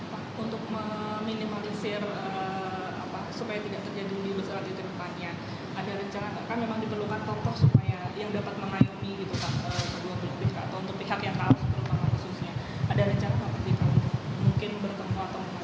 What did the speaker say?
pak untuk meminimalisir supaya tidak terjadi virus atau diterupanya ada rencana kan memang diperlukan tokoh supaya yang dapat mengayomi itu pak ke dua puluh bk atau untuk pihak yang tahu perubahan khususnya